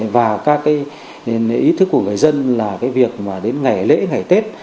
và các cái ý thức của người dân là cái việc mà đến ngày lễ ngày tết